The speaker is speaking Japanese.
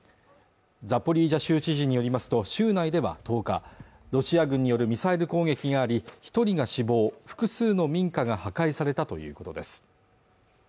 ザポリージャ州知事によりますと州内では１０日ロシア軍によるミサイル攻撃があり一人が死亡複数の民家が破壊されたということです